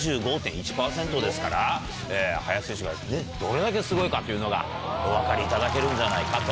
ですから林選手がどれだけすごいかっていうのがお分かりいただけるんじゃないかと。